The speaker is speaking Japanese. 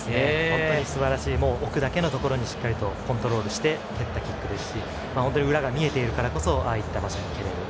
本当にすばらしい置くだけのところにしっかりとコントロールして蹴ったキックですし裏が見えているからこそああいった場所に蹴れる。